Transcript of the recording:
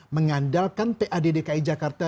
mengandalkan paddki jakarta